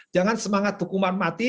jangan semangat hukuman mati